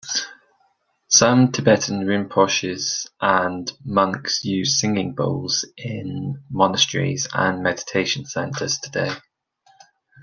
Some Tibetan rinpoches and monks use singing bowls in monasteries and meditation centers today.